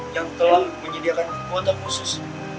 yang telah menyediakan kuota khusus